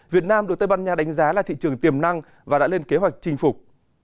việt nam được tây ban nha đánh giá là thị trường tiềm năng và đã lên kế hoạch chinh phục